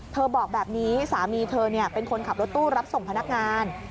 บอกแบบนี้สามีเธอเป็นคนขับรถตู้รับส่งพนักงาน